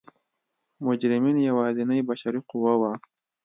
مجرمین یوازینۍ بشري قوه وه.